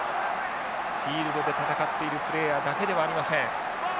フィールドで戦っているプレーヤーだけではありません。